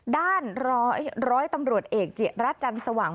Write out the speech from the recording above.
ด้านร้อยร้อยตำรวจเอกจิตรัชจันทร์สวัง